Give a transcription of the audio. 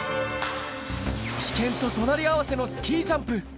危険と隣り合わせのスキージャンプ。